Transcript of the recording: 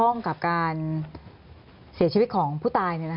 กับการเสียชีวิตของผู้ตาย